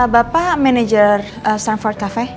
bapak manajer stanford cafe